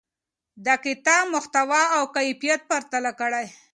د کتاب محتوا او کیفیت پرتله کړئ.